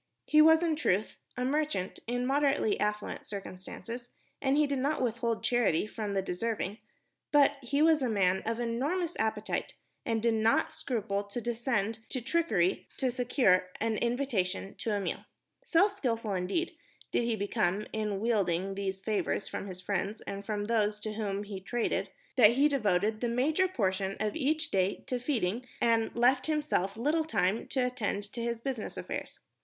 He was, in truth, a merchant in moderately affluent circumstances, and he did not withhold charity from the deserving; but he was a man of enormous appetite and did not scruple to descend to trickery to secure an invitation to a meal. So skilful, indeed, did he become in wheedling these favors from his friends and from those with whom he traded, that he devoted the major portion of each day to feeding and left himself little time to attend to his business affairs.